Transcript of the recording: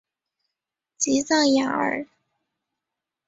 吉藏雅尔。